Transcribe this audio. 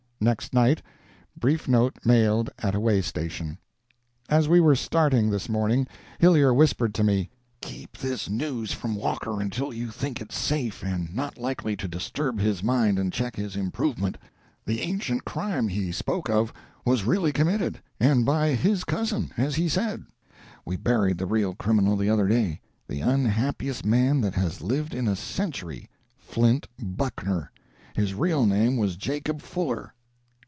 Next night. Brief note, mailed at a waystation As we were starting, this morning, Hillyer whispered to me: "Keep this news from Walker until you think it safe and not likely to disturb his mind and check his improvement: the ancient crime he spoke of was really committed and by his cousin, as he said. We buried the real criminal the other day the unhappiest man that has lived in a century Flint Buckner. His real name was Jacob Fuller!"